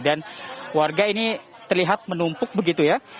dan warga ini terlihat menumpuk begitu ya